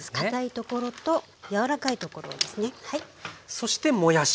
そしてもやし。